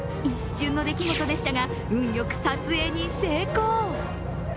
一瞬の出来事でしたが、運よく撮影に成功。